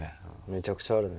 めちゃくちゃあるね。